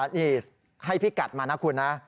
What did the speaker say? นี่ให้พี่กัดมานะคุณนะ